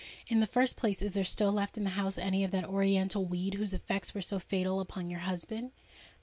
"In the first place, is there still left in the house any of that oriental weed whose effects were so fatal upon your husband?"